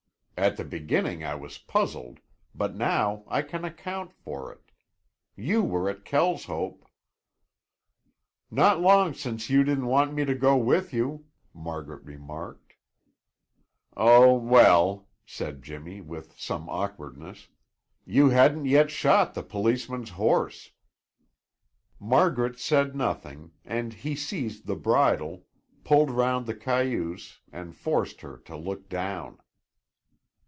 At the beginning I was puzzled, but now I can account for it. You were at Kelshope " "Not long since you didn't want me to go with you," Margaret remarked. "Oh, well," said Jimmy with some awkwardness, "you hadn't yet shot the policeman's horse." Margaret said nothing and he seized the bridle, pulled 'round the cayuse, and forced her to look down.